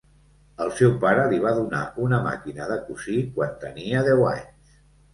El seu pare li va donar una màquina de cosir quan tenia deu anys.